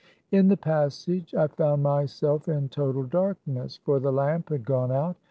In the passage, I found myself in total dark ness ; for the lamp had gone out.